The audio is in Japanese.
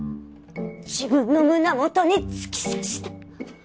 自分の胸元に突き刺した。